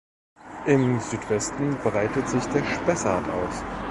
Im Südwesten breitet sich der Spessart aus.